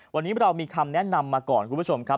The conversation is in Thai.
วันนี้เรามีคำแนะนำมาก่อนคุณผู้ชมครับ